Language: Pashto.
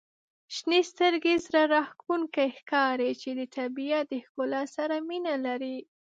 • شنې سترګي زړه راښکونکي ښکاري چې د طبیعت د ښکلا سره مینه لري.